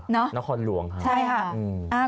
น้องคอนหลวงค่ะ